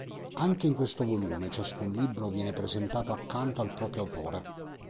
Anche in questo volume ciascun libro viene presentato accanto al proprio autore.